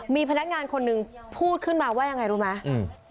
มีพนักงานคนหนึ่งพูดขึ้นมาว่ายังไงรู้ไหมอืม